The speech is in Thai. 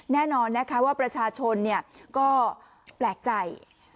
แน่นอนนะครับว่าประชาชนเนี่ยก็แปลกใจ